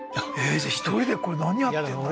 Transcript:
じゃあ１人でこれ何やってんだろう？